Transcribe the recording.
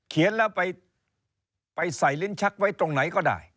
เขียนแล้วไปใส่ลิ้นชักไว้ตรงไหนก็ได้